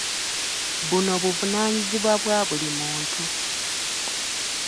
Buno buvunaanyizibwa bwa buli muntu.